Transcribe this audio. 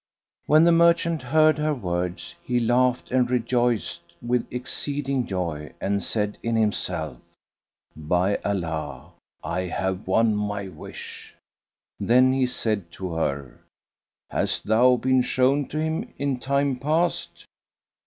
When the merchant heard her words, he laughed and rejoiced with exceeding joy and said in himself, "By Allah, I have won my wish!" Then he said to her, "Hast thou been shown to him in time past?"